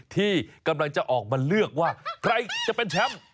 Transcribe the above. ที่กำลังจะออกมาเลือกว่าใครจะเป็นแชมป์